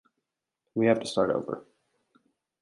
We have to start over.